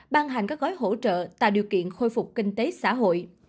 ban hành các gói hỗ trợ tạo điều kiện khôi phục kinh tế xã hội